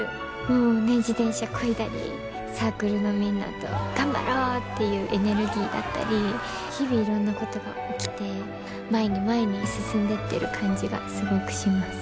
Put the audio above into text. もうね自転車こいだりサークルのみんなと頑張ろうっていうエネルギーだったり日々いろんなことが起きて前に前に進んでってる感じがすごくします。